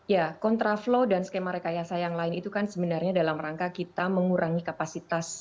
ya kontraflow dan skema rekayasa yang lain itu kan sebenarnya dalam rangka kita mengurangi kapasitas